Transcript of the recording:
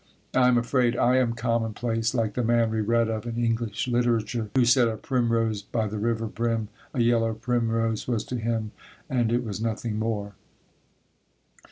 I am afraid I am commonplace, like the man we read of in English literature, who said "a primrose by the river brim, a yellow primrose, was to him, and it was nothing more."